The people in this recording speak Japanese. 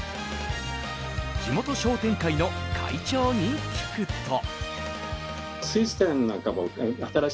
地元商店会の会長に聞くと。